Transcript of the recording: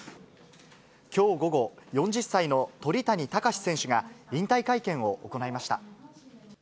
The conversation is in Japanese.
きょう午後、４０歳の鳥谷敬選手が引退会見を行いました。